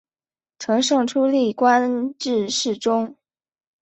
承圣初历官至侍中。